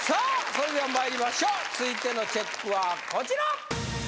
それではまいりましょう続いてのチェックはこちら